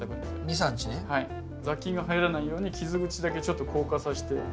雑菌が入らないように傷口だけちょっと硬化させて。